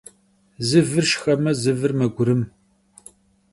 Zı vır şşxeme, zı vır megurım.